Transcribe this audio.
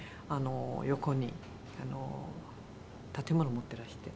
横に建物持ってらして。